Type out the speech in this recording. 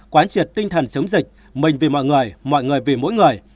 quán triệt tinh thần chống dịch mình vì mọi người mọi người vì mỗi người